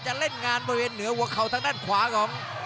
เล่นงานบริเวณเหนือหัวเข่าทางด้านขวาของ